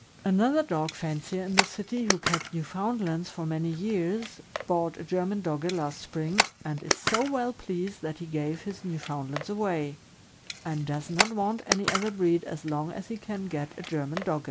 Another dog fancier in this city, who kept Newfound lands for many years, bought a German Dogge last spring, and is so well pleased that he gave his Newfoundlands away, and does not want any other breed as long as he can get a German Dogge.